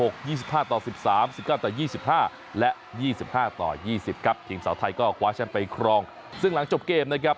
ซึ่งทีมสาวไทยก็คว้าแชมป์ไปครองซึ่งหลังจบเกมนะครับ